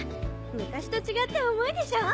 昔と違って重いでしょ？